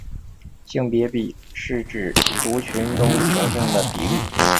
性别比是指族群中雄性的比率。